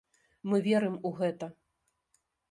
Мы верым у гэта.